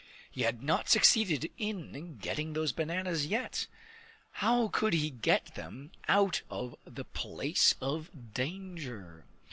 He had not succeeded in getting those bananas yet! How could he get them out of the place of danger?